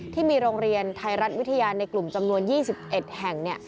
ที่มีโรงเรียนไทยรัฐวิทยาในกลุ่มจำนวน๒๑แห่ง